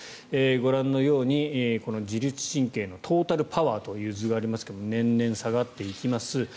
ご覧のように自律神経のトータルパワーという図がありますが年々下がっていきます。